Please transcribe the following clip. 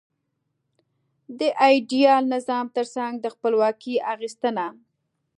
د ایډیال نظام ترڅنګ د خپلواکۍ اخیستنه.